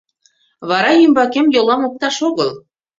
Вара ӱмбакем йолам опташ огыл!